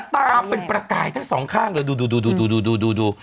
ตาเป็นประกายทั้งสองข้างเลยดูดู